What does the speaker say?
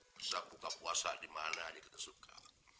setiap buka puasa di mana nih kita suka